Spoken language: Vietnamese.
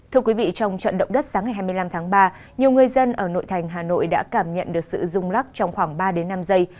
thưa quý vị trong trận động đất sáng ngày hai mươi năm tháng ba nhiều người dân ở nội thành hà nội đã cảm nhận được sự rung lắc trong khoảng ba năm giây